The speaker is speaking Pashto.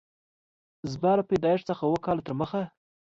زما له پیدایښت څخه اووه کاله تر مخه